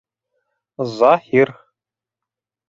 Заһир...